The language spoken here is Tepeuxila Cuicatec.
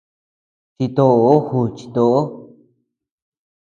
Chitoó juuchi toʼo.